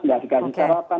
tidak dikasih sarapan